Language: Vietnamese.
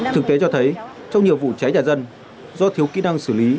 thực tế cho thấy trong nhiều vụ cháy nhà dân do thiếu kỹ năng xử lý